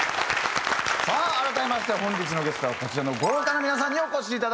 さあ改めまして本日のゲストはこちらの豪華な皆さんにお越しいただきました。